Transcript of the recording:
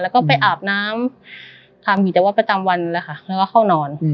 แล้วก็ไปอาบน้ำทำอย่างเดียวว่าประจำวันแล้วจะเข้านอน